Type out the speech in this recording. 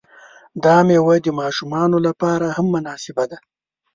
دا میوه د ماشومانو لپاره هم مناسبه ده.